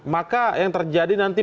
maka yang terjadi nanti